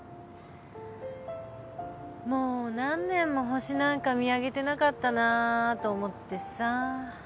もう何年も星なんか見上げてなかったなと思ってさ。